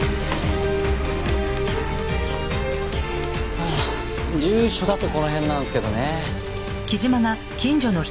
はあ住所だとこの辺なんですけどね。